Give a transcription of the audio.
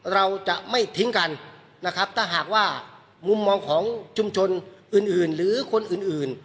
เราจะไม่ทิ้งกันนะครับถ้าหากว่ามุมมองของชุมชนอื่นหรือคนอื่น